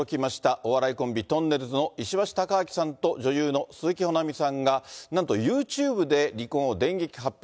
お笑いコンビ、とんねるずの石橋貴明さんと、女優の鈴木保奈美さんが、なんと、ユーチューブで離婚を電撃発表。